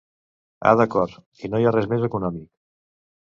Ah d'acord, i no hi ha res més econòmic.